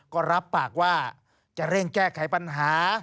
ก็รับปากว่าจะเร่งแก้ไขปัญหา